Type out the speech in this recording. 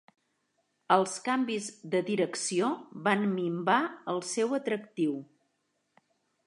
Els canvis de direcció van minvar el seu atractiu.